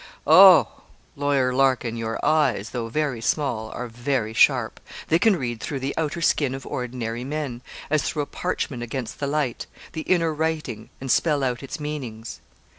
Oh! Lawyer Larkin, your eyes, though very small, are very sharp. They can read through the outer skin of ordinary men, as through a parchment against the light, the inner writing, and spell out its meanings.